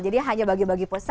jadi hanya bagi bagi posisi